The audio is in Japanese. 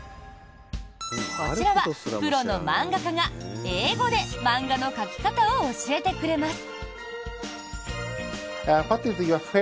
こちらはプロの漫画家が英語で、漫画の描き方を教えてくれます。